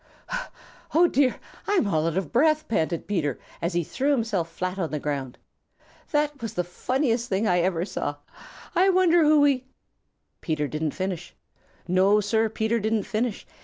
"Oh, dear, I'm all out of breath," panted Peter, as he threw himself flat on the ground. "That was the funniest thing I ever saw. I wonder who we " Peter didn't finish. No, Sir, Peter didn't finish.